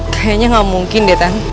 kayaknya gak mungkin deh tante